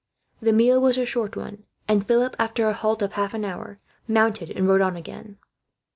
The meal was a short one; and Philip, after a halt of half an hour, mounted and rode on again.